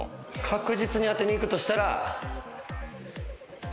確実に当てにいくとしたら。